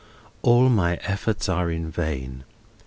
All my efforts are vain.